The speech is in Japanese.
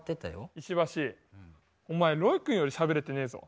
石橋お前ロイ君よりしゃべれてねえぞ。